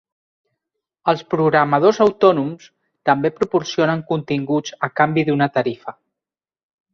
Els programadors autònoms també proporcionen continguts a canvi d'una tarifa.